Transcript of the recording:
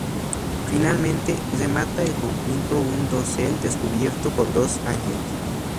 Finalmente, remata el conjunto un dosel descubierto por dos ángeles.